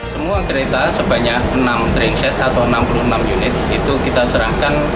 semua kereta sebanyak enam train set atau enam puluh enam unit itu kita serahkan